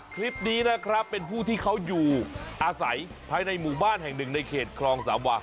คลิปนี้นะครับเป็นผู้ที่เขาอยู่อาศัยภายในหมู่บ้านแห่งหนึ่งในเขตคลองสามวา